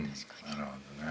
なるほどね。